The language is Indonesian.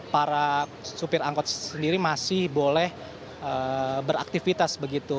para supir angkot sendiri masih boleh beraktivitas begitu